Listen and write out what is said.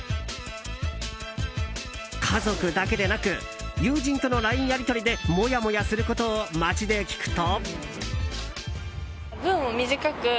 家族だけでなく友人とのＬＩＮＥやり取りでモヤモヤすることを街で聞くと。